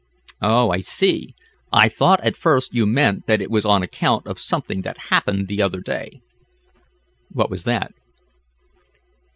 "Oh, I see. I thought at first you meant that it was on account of something that happened the other day." "What was that?"